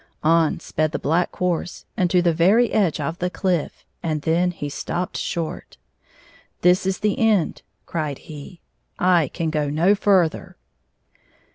On sped the Black Horse, and to the very edge of the cliff, and then he stopped short. " This is the end," cried he. " I can go no ftirther."